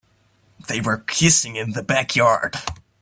They were kissing in the backyard.